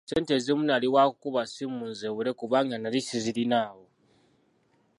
Ssente ezimu nali waakukuba ssimu nzeewole kubanga nnali sizirinaawo.